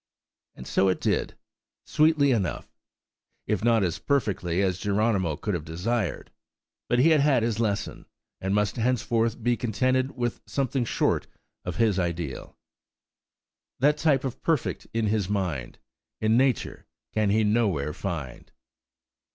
And so it did–"sweetly enough," if not as perfectly as Geronimo could have desired; but he had had his lesson, and must henceforth be contented with something short of his ideal. "That type of Perfect in his mind, In Nature can he nowhere find."